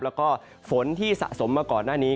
แล้วก็ฝนที่สะสมมาก่อนหน้านี้